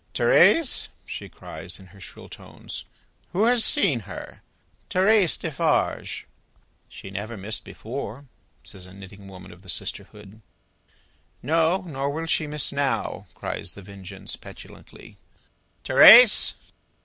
"Thérèse!" she cries, in her shrill tones. "Who has seen her? Thérèse Defarge!" "She never missed before," says a knitting woman of the sisterhood. "No; nor will she miss now," cries The Vengeance, petulantly. "Thérèse."